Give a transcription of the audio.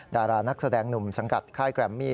ดารานักแสดงหนุ่มสังกัดค่ายแกรมมี่